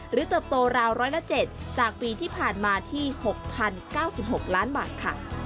เติบโตราวร้อยละ๗จากปีที่ผ่านมาที่๖๐๙๖ล้านบาทค่ะ